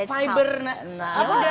fiber apa ya